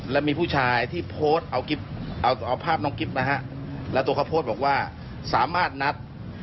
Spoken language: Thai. และพวกเขาโพสต์ว่าสามารถนัด